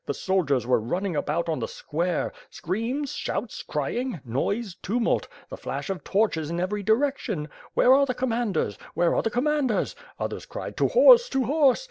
the soldiers were running about on the square; screams, shouts, crying, noise, tumult, the flash of torches in every direction. Where are the commanders? Where are the commanders? Others cried, To horse! To horse!